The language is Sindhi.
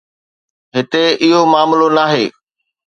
هتي اهو معاملو ناهي